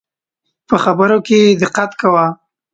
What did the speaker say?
په خبرو کي دقت کوه